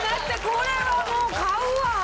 これはもう買うわ！